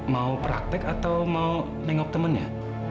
mau praktek atau mau tengok temennya